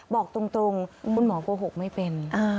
บอกตรงคุณหมอโกหกไม่เป็น